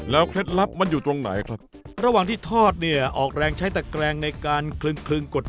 แล้วเคล็ดลับมันอยู่ตรงไหนครับ